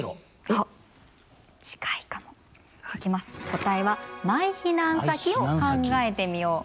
答えは「マイ避難先を考えてみよう！」。